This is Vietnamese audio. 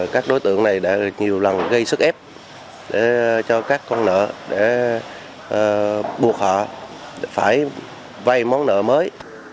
các đối tượng này đã nhiều lần gây sức ép cho các con nợ để buộc họ phải vay món nợ mới